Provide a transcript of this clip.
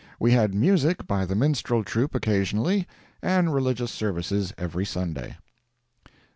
We had music by the minstrel troupe occasionally, and religious services every Sunday.